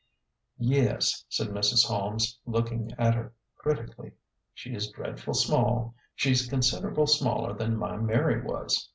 " Yes," said Mrs. Holmes, looking at her critically ;" she is dreadful small. She's considerable smaller than my Mary was.